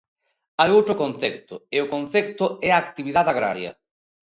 Hai outro concepto, e o concepto é a actividade agraria.